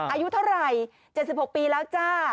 อายุเท่าไหร่๗๖ปีแล้วจ้า